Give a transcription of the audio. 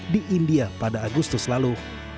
di india pada agustus lalu